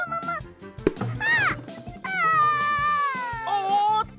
おっと！